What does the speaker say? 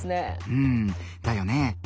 うんだよね。